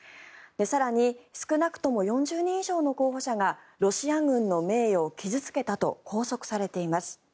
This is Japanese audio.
更に少なくとも４０人以上の候補者がロシア軍の名誉を傷付けたと拘束されています。